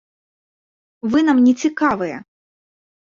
Вы нам не цікавыя!